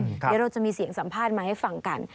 เดี๋ยวเราจะมีเสียงสัมภาษณ์มาให้ฟังกัน